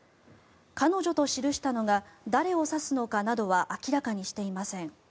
彼女と記したのが誰を指すのかなどは明らかにしていません。